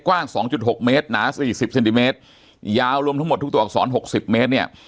กว้าง๒๖เมตรหนาสี่สิบเซนติเมตรยาวรวมทั้งหมดทุกตัวอักษร๖๐เมตรเนี่ย